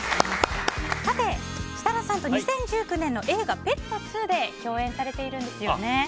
設楽さんと２０１９年の映画「ペット２」で共演されているんですよね。